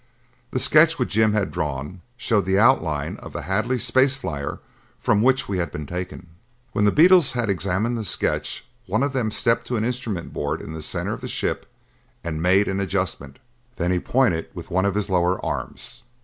The sketch which Jim had drawn showed the outline of the Hadley space flyer from which he had been taken. When the beetles had examined the sketch, one of them stepped to an instrument board in the center of the ship and made an adjustment. Then he pointed with one of his lower arms.